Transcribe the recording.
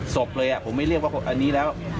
ศพเลยผมไม่เรียกว่าอันนี้แล้ว